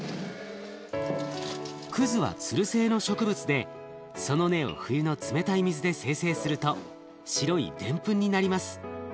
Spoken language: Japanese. くずはつる性の植物でその根を冬の冷たい水で精製すると白いデンプンになります。